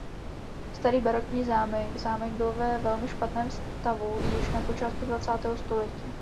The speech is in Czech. Starý barokní zámek zámek byl ve velmi špatném stavu již na počátku dvacátého století.